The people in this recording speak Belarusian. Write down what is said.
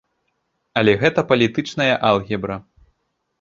Але гэта палітычная алгебра.